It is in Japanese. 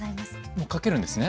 もう書けるんですね？